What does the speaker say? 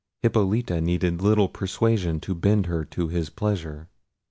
Hippolita needed little persuasions to bend her to his pleasure.